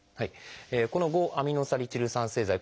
この５−アミノサリチル酸製剤。